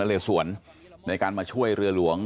เลสวนในการมาช่วยเรือหลวง